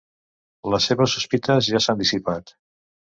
Les seves sospites ja s'han dissipat.